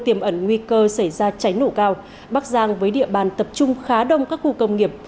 tiềm ẩn nguy cơ xảy ra cháy nổ cao bắc giang với địa bàn tập trung khá đông các khu công nghiệp